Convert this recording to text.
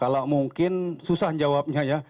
kalau mungkin susah jawabnya ya